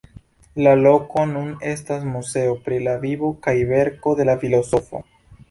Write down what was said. La loko nun estas muzeo pri la vivo kaj verko de la filozofo.